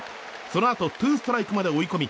そのあとツーストライクまで追い込み